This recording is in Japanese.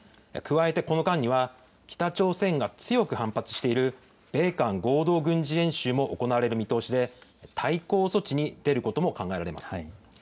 加えてこの間には、北朝鮮が強く反発している米韓合同軍事演習も行われる見通しで、対抗措置に出ることも考えられます。